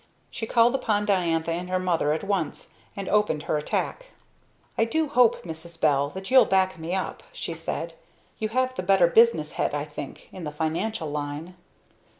She called upon Diantha and her mother at once, and opened her attack. "I do hope, Mrs. Bell, that you'll back me up," she said. "You have the better business head I think, in the financial line."